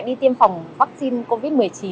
đi tiêm phòng vaccine covid một mươi chín